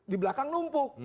di belakang numpuk